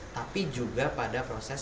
tapi juga pada proses